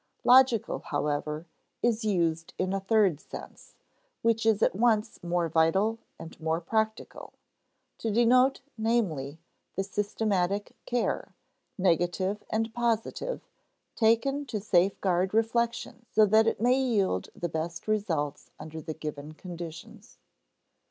Logical, however, is used in a third sense, which is at once more vital and more practical; to denote, namely, the systematic care, negative and positive, taken to safeguard reflection so that it may yield the best results under the given conditions.